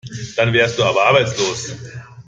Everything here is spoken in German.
Dann wärst du aber arbeitslos.